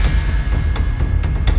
apa yang mereka lihat